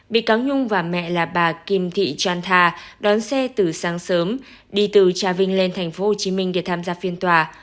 bị cáo nhung và mẹ là bà kim thị chan thà đón xe từ sáng sớm đi từ trà vinh lên tp hcm để tham gia phiên tòa